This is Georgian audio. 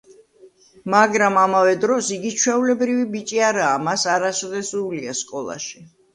მაგრამ ამავე დროს იგი ჩვეულებრივი ბიჭი არაა, მას არასოდეს უვლია სკოლაში.